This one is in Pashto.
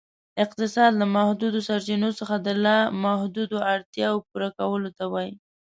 اقتصاد ، له محدودو سرچینو څخه د لا محدودو اړتیاوو پوره کولو ته وایي.